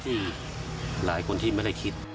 ที่หลายคนที่ไม่ได้คิด